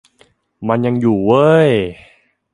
มันยังอยู่เว้ย